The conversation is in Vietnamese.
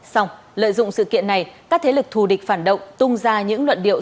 xong lợi dụng sự kiện này các thế lực thù địch phản động tung ra những luận điệu